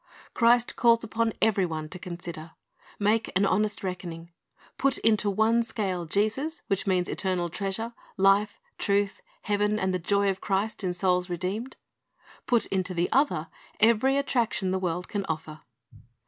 Christ calls upon every one to consider. Make an honest reckoning. Put into one scale Jesus, which means eternal treasure, life, truth, heaven, and the joy of Christ in souls redeemed; put into the other every attraction the world can offer.